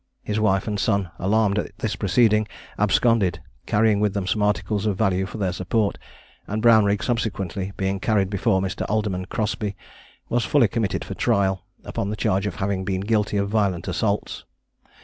His wife and son, alarmed at this proceeding, absconded, carrying with them some articles of value for their support; and Brownrigg subsequently being carried before Mr. Alderman Crossby, was fully committed for trial, upon the charge of having been guilty of violent assaults.